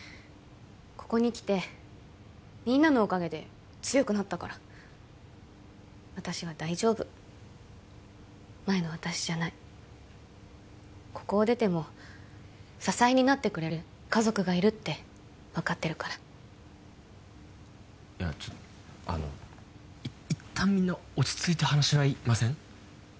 ここに来てみんなのおかげで強くなったから私は大丈夫前の私じゃないここを出ても支えになってくれる家族がいるって分かってるからいやちょっとあのいったんみんな落ち着いて話し合いません？